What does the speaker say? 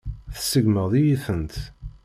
Tseggmeḍ-iyi-tent.